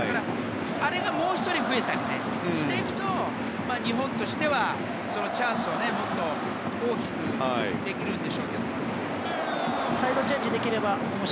あれがもう１人増えたりしていくと日本としてはチャンスをもっと大きくできるんでしょうけど。